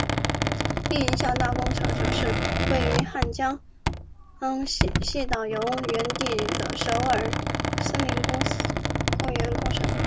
另一项大工程则是位于汉江纛岛游园地的首尔森林公园工程。